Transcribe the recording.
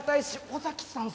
尾崎さん？